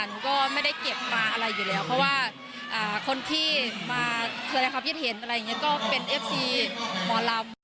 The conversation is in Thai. หนูก็ไม่ได้เก็บมาอะไรอยู่แล้วเพราะว่าคนที่มาแสดงความคิดเห็นอะไรอย่างนี้ก็เป็นเอฟซีหมอลำ